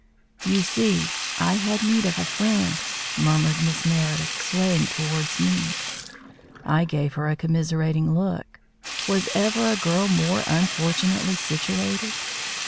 "You see I had need of a friend," murmured Miss Meredith, swaying towards me. I gave her a commiserating look. Was ever a girl more unfortunately situated?